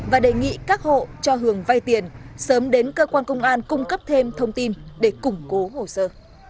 và đề nghị các hộ cho hường vay tiền sớm đến cơ quan công an cung cấp thêm thông tin để củng cố hồ sơ